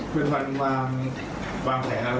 เป็นวันมาอัลบั้มโซโลเทศจีย์นะคะ